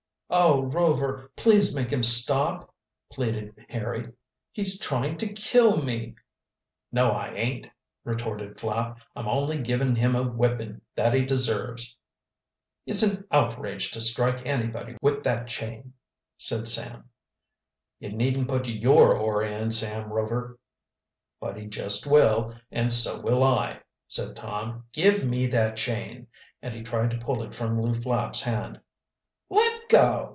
"Oh, Rover, please make him stop," pleaded Harry. "He's trying to kill me!" "No, I ain't," retorted Flapp. "I'm only giving him a whipping that he deserves." "It's an outrage to strike anybody with that chain," said Sam. "You needn't put your oar in, Sam Rover!" "But he just will, and so will I," said Tom. "Give me that chain," and he tried to pull it from Lew Flapp's hand. "Let go!"